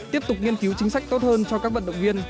tiếp tục nghiên cứu chính sách tốt hơn cho các vận động viên